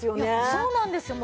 そうなんですよ。